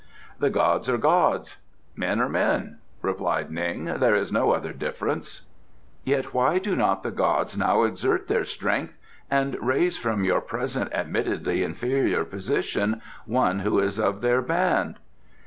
"The gods are gods; men are men," replied Ning. "There is no other difference." "Yet why do not the gods now exert their strength and raise from your present admittedly inferior position one who is of their band?"